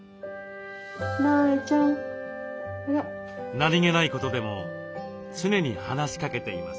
何気ないことでも常に話しかけています。